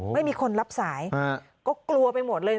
ไม่มีคนรับสายก็กลัวเลย